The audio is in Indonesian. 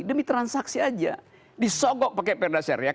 demi transaksi aja disogok pakai perdasyariah